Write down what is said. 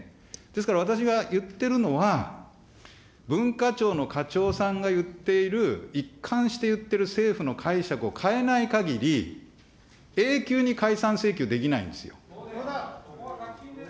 ですから、私が言ってるのは、文化庁の課長さんが言っている、一貫していっている政府の解釈を変えないかぎり、永久に解散請求できないんですよ。